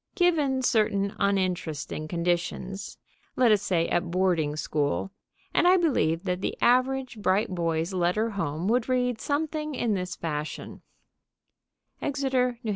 Given certain uninteresting conditions, let us say, at boarding school, and I believe that the average bright boy's letter home would read something in this fashion: _Exeter, N.H.